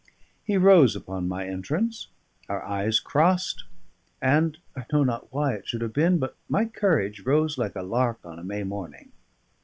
He rose upon my entrance; our eyes crossed; and I know not why it should have been, but my courage rose like a lark on a May morning.